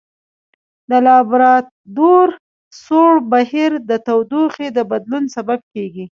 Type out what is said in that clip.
د لابرادور سوړ بهیر د تودوخې د بدلون سبب کیږي.